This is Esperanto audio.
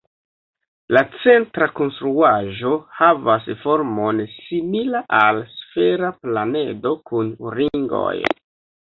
La centra konstruaĵo havas formon simila al sfera planedo kun ringoj.